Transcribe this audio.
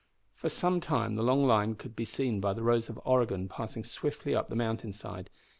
For some time the long line could be seen by the Rose of Oregon passing swiftly up the mountain side.